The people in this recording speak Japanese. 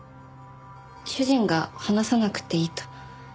主人が話さなくていいと。